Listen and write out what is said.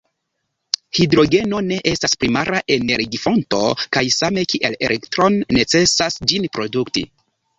Hidrogeno ne estas primara energi-fonto, kaj same kiel elektron, necesas ĝin produkti.